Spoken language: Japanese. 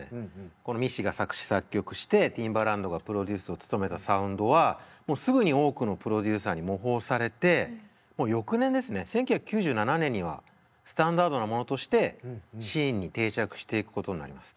このミッシーが作詞作曲してティンバランドがプロデュースを務めたサウンドはもうすぐに多くのプロデューサーに模倣されてもう翌年ですね１９９７年にはスタンダードなものとしてシーンに定着していくことになります。